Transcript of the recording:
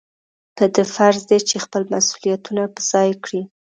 په ده فرض دی چې خپل مسؤلیتونه په ځای کړي.